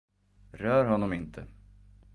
Rör honom inte!